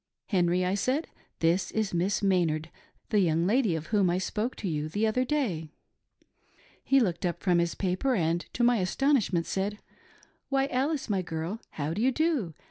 Henry, I said, this is Miss Maynard — the young lady of whom I spoke to you the other day. He looked up from his paper, and, to my astonishment, said, ' Why, Alice, my girl, how do you do